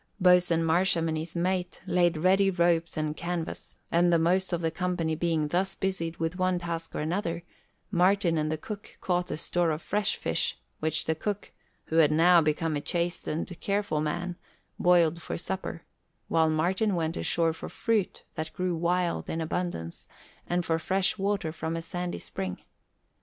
Boatswain Marsham and his mate laid ready ropes and canvas; and the most of the company being thus busied with one task or another, Martin and the cook caught a store of fresh fish, which the cook who had now become a chastened, careful man boiled for supper, while Martin went onshore for fruit that grew wild in abundance and for fresh water from a sandy spring.